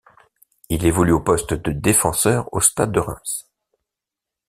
Il évolue au poste de défenseur au Stade de Reims.